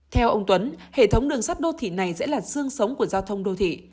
theo ông tuấn hệ thống đường sắt đô thị này sẽ là sương sống của giao thông đô thị